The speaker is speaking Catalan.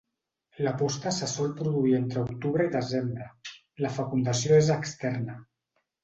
La posta se sol produir entre octubre i desembre, la fecundació és externa.